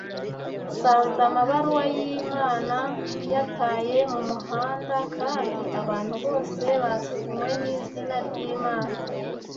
Nsanze amabaruwa y'Imana yataye mumuhanda, kandi abantu bose basinywe nizina ryImana,